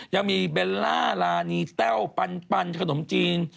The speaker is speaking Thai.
ยังมีเบลล่ารานีแต้วปันขนมจีน